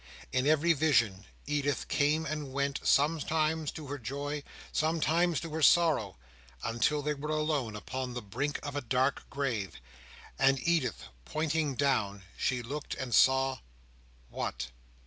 In every vision, Edith came and went, sometimes to her joy, sometimes to her sorrow, until they were alone upon the brink of a dark grave, and Edith pointing down, she looked and saw—what!